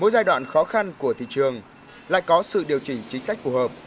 giai đoạn khó khăn của thị trường lại có sự điều chỉnh chính sách phù hợp